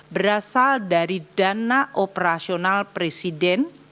berasal dari dana operasional presiden